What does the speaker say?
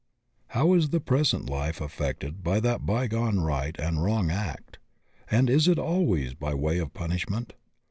"* How is the present life affected by that bygone right and wrong act, and is it always by way of pun ishment?